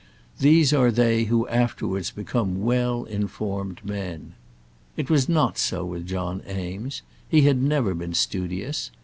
These are they who afterwards become well informed men. It was not so with John Eames. He had never been studious.